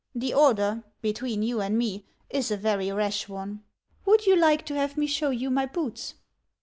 The order, between you and me, is a very rash one. Would you like to have me show you my boots